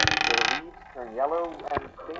এখনো ছোটির বিয়ে বাকী!